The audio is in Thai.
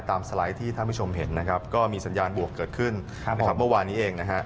ตามสไลด์ที่ท่านผู้ชมเห็นก็มีสัญญาณบวกเกิดขึ้นเมื่อวานนี้เอง